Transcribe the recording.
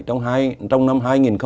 trong năm hai nghìn một mươi năm